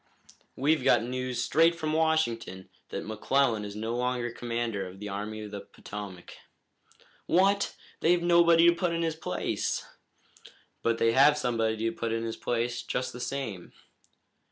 "We've got news straight from Washington that McClellan is no longer commander of the Army of the Potomac." "What! They've nobody to put in his place." "But they have put somebody in his place, just the same."